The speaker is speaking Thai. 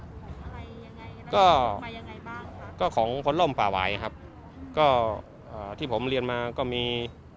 ยังไงก็ของเพนร่มปอว่ายครับอ่าที่ผมเรียนมาก็มี